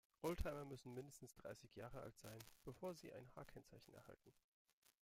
Oldtimer müssen mindestens dreißig Jahre alt sein, bevor sie ein H-Kennzeichen erhalten.